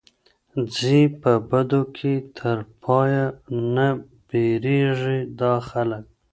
ځي په بدو کي تر پايه نه بېرېږي دا خلک